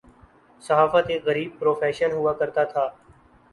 صحافت ایک غریب پروفیشن ہوا کرتاتھا۔